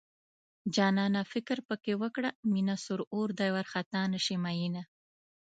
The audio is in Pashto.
جانانه فکر پکې وکړه مينه سور اور دی وارخطا نشې مينه